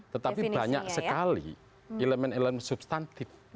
tetapi banyak sekali elemen elemen substantif daripada terorisme